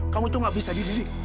kamu tuh gak bisa dididik